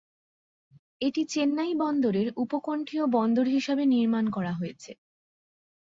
এটি চেন্নাই বন্দরের উপকন্ঠিয় বন্দর হিসাবে নির্মাণ করা হয়েছে।